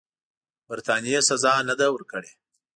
برټانیې سزا نه ده ورکړې.